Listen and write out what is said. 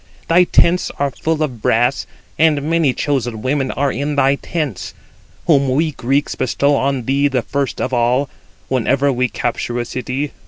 Thy tents are full of brass, and many chosen women are in thy tents, whom we Greeks bestow on thee the first of all, whenever we capture a city.